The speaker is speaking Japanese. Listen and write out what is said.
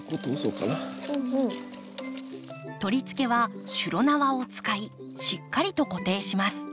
取り付けはしゅろ縄を使いしっかりと固定します。